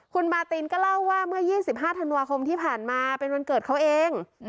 คุณมาตินก็เล่าว่าเมื่อ๒๕ธันวาคมที่ผ่านมาเป็นวันเกิดเขาเอง